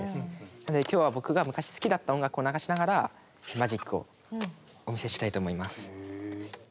なので今日は僕が昔好きだった音楽を流しながらマジックをお見せしたいと思います。